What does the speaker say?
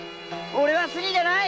俺はスリじゃない！